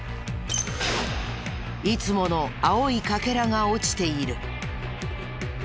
いつもの青い欠片が落ちている。